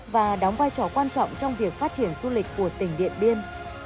và đóng vai trò quan trọng trong việc phát triển du lịch của tỉnh điện biên